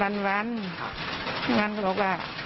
ผู้ชายก็บอกว่า